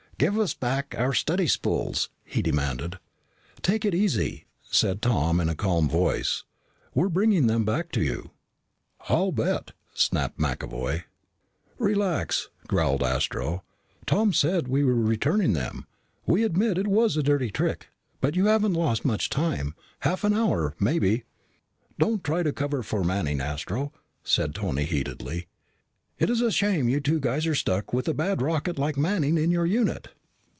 "Give us back our study spools," he demanded. "Take it easy," said Tom in a calm voice. "We were bringing them back to you." "I'll bet," snapped McAvoy. "Relax," growled Astro. "Tom said we were returning them. We admit it was a dirty trick, but you haven't lost much time. Half an hour maybe." "Don't try to cover for Manning, Astro," said Tony heatedly. "It's a shame you two guys are stuck with a bad rocket like Manning in your unit."